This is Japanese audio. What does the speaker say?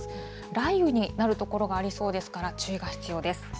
雷雨になる所がありそうですから、注意が必要です。